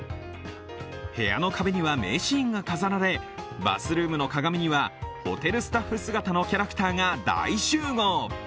部屋の壁には名シーンが飾られ、バスルームの鏡にはホテルスタッフ姿のキャラクターが大集合。